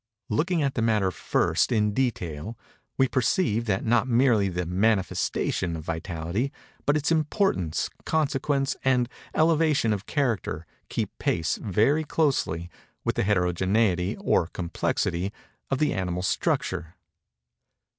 Looking at the matter, first, in detail, we perceive that not merely the manifestation of vitality, but its importance, consequence, and elevation of character, keep pace, very closely, with the heterogeneity, or complexity, of the animal structure.